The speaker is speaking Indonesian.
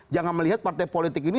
jangan melihat partai politik ini